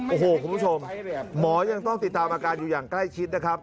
โอ้โหคุณผู้ชมหมอยังต้องติดตามอาการอยู่อย่างใกล้ชิดนะครับ